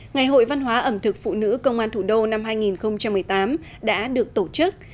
ngày hội văn hóa ẩm thực phụ nữ công an thủ đô năm hai nghìn một mươi tám đã được tổ chức